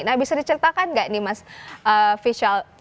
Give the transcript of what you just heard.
nah bisa diceritakan gak nih mas fisyal